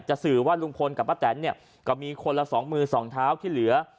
จะสื่อว่าลุงพลกับป้าแต๋นก็มีคนละ๒มือ๒เท้าที่เหลือ